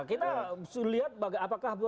kita lihat apakah